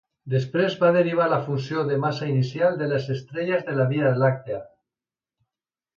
Després va derivar la funció de massa inicial de les estrelles de la Via Làctia.